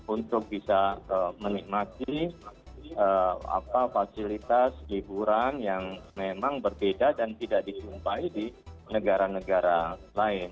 untuk bisa menikmati fasilitas liburan yang memang berbeda dan tidak disumpai di negara negara lain